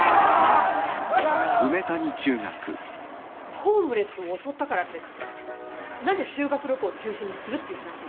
ホームレスを襲ったからって何で修学旅行中止にするっていう話になるのよ。